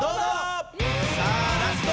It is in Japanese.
さあラスト！